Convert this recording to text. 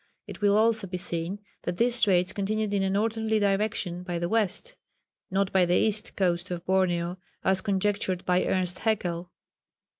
It will also be seen that these straits continued in a northerly direction by the west, not by the east coast of Borneo, as conjectured by Ernst Haeckel.